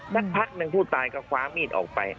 สักพักหนึ่งผู้ตายก็คว้ามีดออกไป